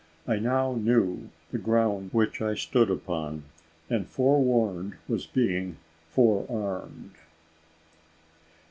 I now knew the ground which I stood upon; and forewarned was being forearmed.